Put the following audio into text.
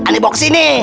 aneh bau kesini